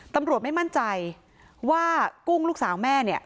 ตำรวจไม่มั่นใจว่ากุ้งลูกสาวแม่เนี่ย